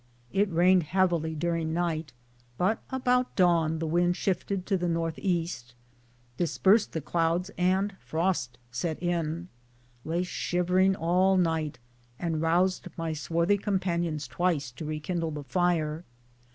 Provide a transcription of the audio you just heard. It rained heavily during night, but about dawn the wind shift ing to the N. E. dispersed the clouds and frost set in. Lay shivering all night and roused my swarthy com panions twice to rekindle the fire.